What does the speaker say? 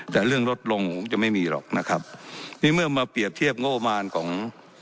แต่เรื่องลดลงผมจะไม่มีหรอกนะครับนี่เมื่อมาเปรียบเทียบงบมารของ